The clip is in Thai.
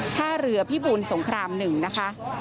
ท่าเรือพี่บุญสงครามหนึ่งนะคะ